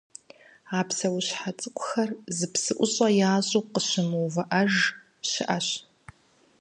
А псэущхьэ цӀыкӀухэр зы псыӀущӀэ ящӀу къыщымыувыӀэж щыӀэщ.